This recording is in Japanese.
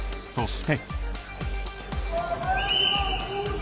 そして。